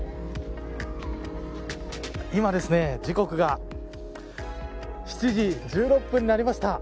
今、時刻は７時１６分になりました。